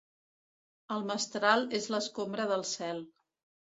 El mestral és l'escombra del cel.